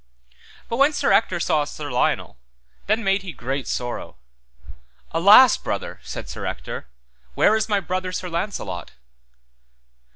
But when Sir Ector saw Sir Lionel, then made he great sorrow. Alas, brother, said Sir Ector, where is my brother Sir Launcelot?